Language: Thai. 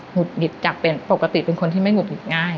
ุดหงิดจากเป็นปกติเป็นคนที่ไม่หุดหงิดง่าย